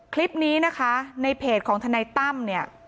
คลิปนี้นะคะในเพจของทนายตั้มเนี่ย